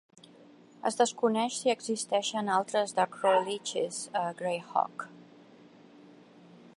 Es desconeix si existeixen altres "dracoliches" a "Greyhawk".